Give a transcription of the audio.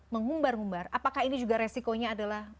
mengumbar ngumbar apakah ini juga resikonya adalah